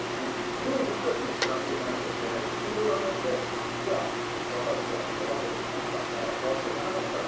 でも僕たちも暮らしていかないといけないしその裏面でじゃあ、若い世代を育てていかなかったら